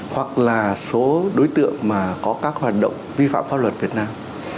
hoặc là số đối tượng mà có các hoạt động vi phạm pháp luật việt nam